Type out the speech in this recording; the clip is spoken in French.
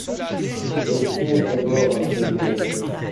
Je songe d’abord à ceux de mon espèce.